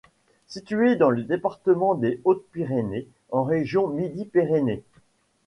Situé dans le département des Hautes-Pyrénées en région Midi-Pyrénées.